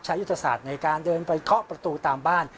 ใช้อุตสาธิตในการเดินไปเคาะประตูตามบ้าน